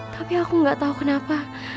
tapi aku gak tau kenapa